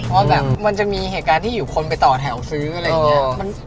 เพราะแบบมันจะมีเหตุการณ์ที่อยู่คนไปต่อแถวซื้ออะไรอย่างนี้